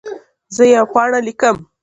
زه یوه پاڼه لیکم.